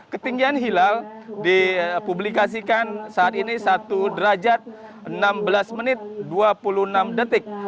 ketinggian hilal dipublikasikan saat ini satu derajat enam belas menit dua puluh enam detik